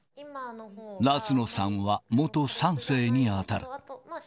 夏野さんは元３世に当たる。